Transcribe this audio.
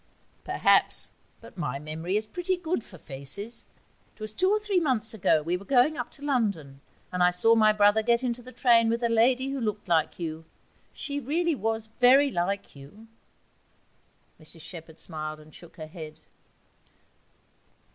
'Perhaps, but my memory is pretty good for faces.... It was two or three months ago, we were going up to London, and I saw my brother get into the train with a lady who looked like you. She really was very like you.' Mrs Shepherd smiled and shook her head.